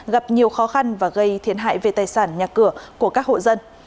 gặp nhiều khó khăn và gây thiệt hại về tài sản nhà cửa của các hộ dân